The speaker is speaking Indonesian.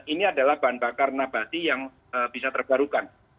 ini adalah bahan bakar nabati yang bisa terbarukan